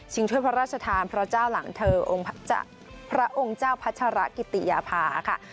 ชิงช่วยพระราชธาพระเจ้าหลังเธอพระองค์เจ้าพัชรกิติยาภาค่ะ